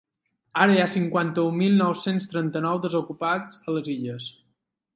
Ara hi ha cinquanta-un mil nou-cents trenta-nou desocupat a les Illes.